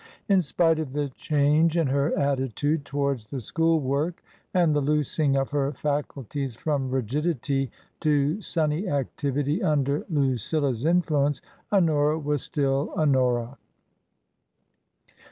In spite of the change in her attitude towards the school work and the loosing of her faculties from rigidity to sunny activity under Lucilla's influence, Honora was still Honora.